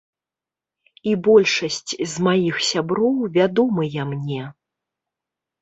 І большасць з маіх сяброў вядомыя мне.